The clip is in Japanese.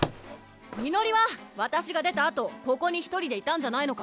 みのりは⁉わたしが出たあとここに１人でいたんじゃないのか？